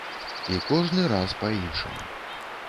І кожны раз па-іншаму.